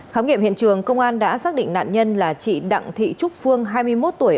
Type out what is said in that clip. khám nghiệm hiện trường công an đã xác định nạn nhân là chị đặng thị trúc phương hai mươi một tuổi